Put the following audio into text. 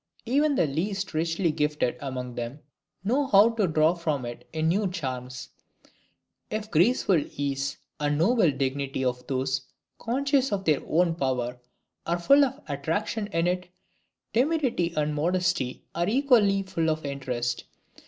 Even the least richly gifted among them know how to draw from it new charms. If the graceful ease and noble dignity of those conscious of their own power are full of attraction in it, timidity and modesty are equally full of interest.